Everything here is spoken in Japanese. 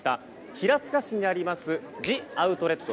平塚市にありますジアウトレット